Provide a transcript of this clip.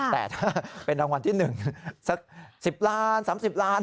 แต่ถ้าเป็นรางวัลที่๑สัก๑๐ล้าน๓๐ล้าน